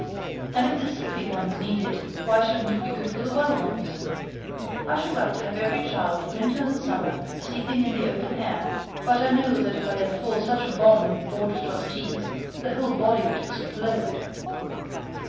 And if the sickly ones need it, why wouldn't it be good for the well ones? I should like to have every child, winter and summer, sleeping in the open air; but I know that if I let fall such a bomb on the board of trustees, the whole body would explode.